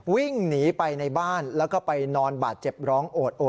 วิ่งหนีไปในบ้านแล้วก็ไปนอนบาดเจ็บร้องโอดโอ